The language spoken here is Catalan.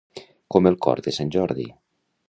Com el cor de sant Jordi.